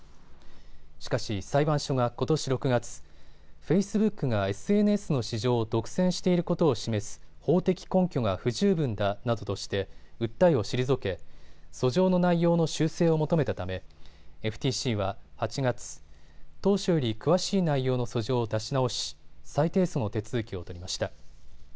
しかし裁判所がことし６月、フェイスブックがＳＮＳの市場を独占していることを示す法的根拠が不十分だなどとして訴えを退け、訴状の内容の修正を求めたためＦＴＣは８月、当初より詳しい内容の訴状を出し直し再提訴の手続きを取りました。